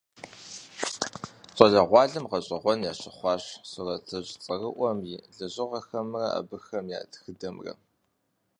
Щӏалэгъуалэм гъэщӀэгъуэн ящыхъуащ сурэтыщӀ цӀэрыӀуэм и лэжьыгъэхэмрэ абыхэм я тхыдэмрэ.